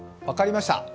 分かりました。